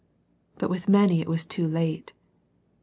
But with many it was too late.